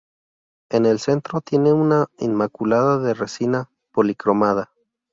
En el centro tiene una Inmaculada de resina policromada.